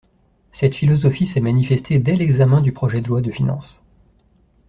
Cette philosophie s’est manifestée dès l’examen du projet de loi de finances.